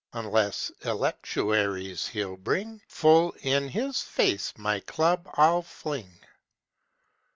Unless electuaries he'll bring, Full in his face my club I'll fling!"